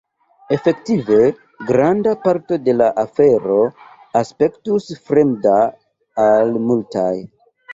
Efektive granda parto de la afero aspektus fremda al multaj.